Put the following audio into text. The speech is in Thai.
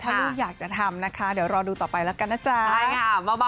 ถ้าลูกอยากจะทำนะคะเดี๋ยวรอดูต่อไปแล้วกันนะจ๊ะ